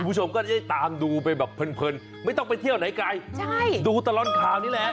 คุณผู้ชมก็จะได้ตามดูไปแบบเพลินไม่ต้องไปเที่ยวไหนไกลดูตลอดข่าวนี่แหละ